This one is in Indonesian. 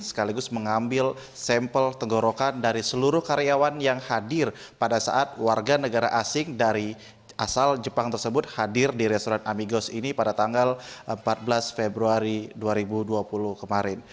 sekaligus mengambil sampel tenggorokan dari seluruh karyawan yang hadir pada saat warga negara asing dari asal jepang tersebut hadir di restoran amigos ini pada tanggal empat belas februari dua ribu dua puluh kemarin